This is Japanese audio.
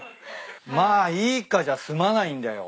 まあいいかじゃ済まないんだよ。